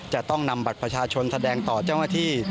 จะต้องนำบัตรประชาชนแสดงต่อเจ้าหน้าที่